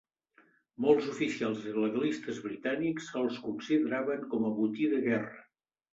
Molts oficials i legalistes britànics els consideraven com a botí de guerra.